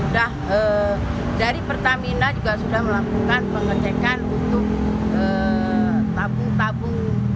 dari pertamina juga sudah melakukan pengecekan untuk tabung tabung